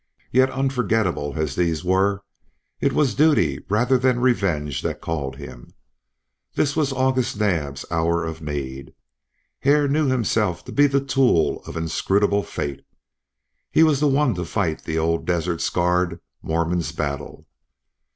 Yet unforgetable as these were, it was duty rather than revenge that called him. This was August Naab's hour of need. Hare knew himself to be the tool of inscrutable fate; he was the one to fight the old desert scarred Mormon's battle.